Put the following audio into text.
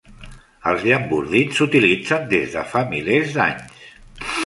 Els llambordins s'utilitzen des de fa milers d'anys.